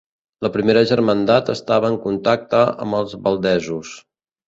La primera germandat estava en contacte amb els valdesos.